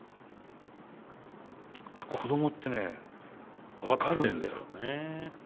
子供ってね分かるんですよね。